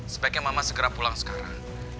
sebaiknya mama segera pulang sekarang